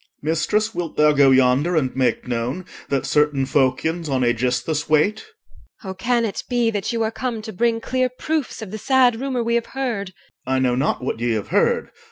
OR. Mistress, wilt thou go yonder and make known, That certain Phocians on Aegisthus wait? EL. Oh! can it be that you are come to bring Clear proofs of the sad rumour we have heard? OR. I know not what ye have heard.